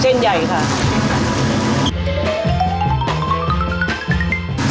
เส้นใหญ่ค่ะ